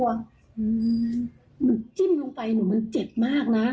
หนูจิ้มลงไปหนูมันเจ็บมากนะ